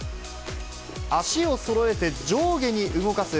足をそろえて上下に動かす